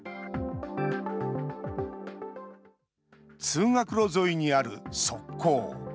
通学路沿いにある側溝。